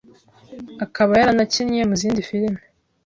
akaba yaranakinnye mu zindi filme